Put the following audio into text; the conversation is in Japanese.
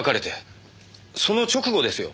その直後ですよ